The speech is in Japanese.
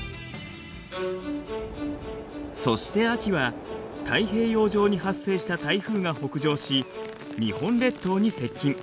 そして秋は太平洋上に発生した台風が北上し日本列島に接近。